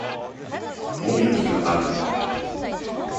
もみの木がある